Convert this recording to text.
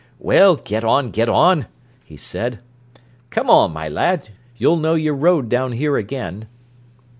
"Well, get on, get on," he said. "Come on, my lad. You'll know your road down here again."